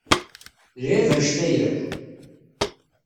D lεib annect-a yakk?